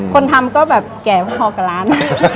คนทำก็แบบแก่พอกับร้าน